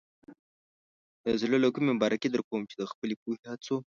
د زړۀ له کومې مبارکي درکوم چې د خپلې پوهې، هڅو.